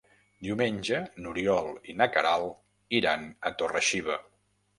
Diumenge n'Oriol i na Queralt iran a Torre-xiva.